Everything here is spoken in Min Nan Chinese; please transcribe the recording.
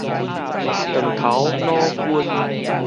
斷頭腦筋